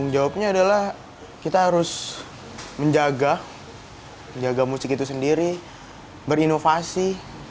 jawabnya adalah kita harus menjaga menjaga musik itu sendiri berinovasi